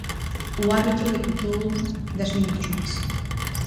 O árbitro decretou dez minutos máis.